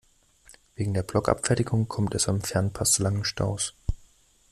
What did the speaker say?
Wegen der Blockabfertigung kommt es am Fernpass zu langen Staus.